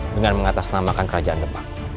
dengan mengatasnamakan kerajaan demak